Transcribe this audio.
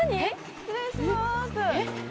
失礼します。